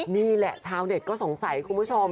นี่แหละชาวเน็ตก็สงสัยคุณผู้ชม